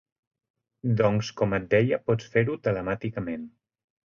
Doncs com et deia pots fer-ho telemàticament.